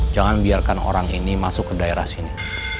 jangan biarkan orang ini masuk ke daerah sini